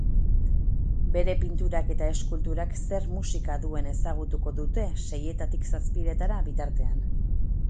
Bere pinturak eta eskulturak zer musika duen ezagutuko dute seietatik zazpietara bitartean.